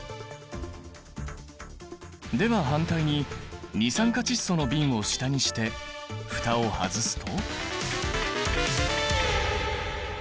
では反対に二酸化窒素の瓶を下にして蓋を外すと？